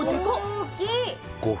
大きい！